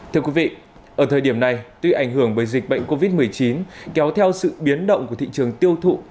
thưa quý vị ở thời điểm này tuy ảnh hưởng bởi dịch bệnh covid một mươi chín kéo theo sự biến động của thị trường tiêu thụ